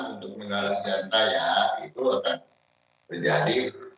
untuk mengalami jantai ya itu akan terjadi